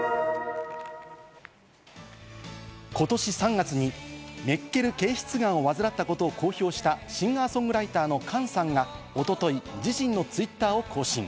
今年３月にメッケル憩室がんを患ったことを公表したシンガー・ソングライターのＫＡＮさんが一昨日、自身のツイッターを更新。